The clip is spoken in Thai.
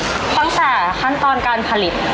ตั้งแต่ขั้นตอนการผลิต